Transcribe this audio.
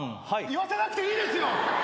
言わせなくていいですよ！